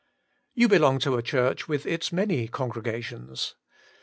You belong to a Church, with its many congregations.